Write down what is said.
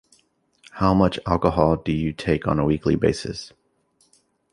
How much alcohol do you take on a weekly basis?